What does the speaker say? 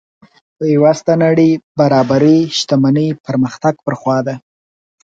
پیوسته نړۍ برابرۍ شتمنۍ پرمختګ پر خوا ده.